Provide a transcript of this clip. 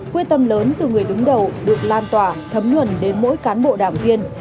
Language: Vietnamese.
quyết tâm lớn từ người đứng đầu được lan tỏa thấm nhuần đến mỗi cán bộ đảng viên